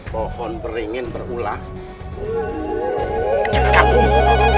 pohon beringin perulang